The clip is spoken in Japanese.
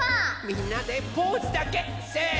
みんなでポーズだけせの。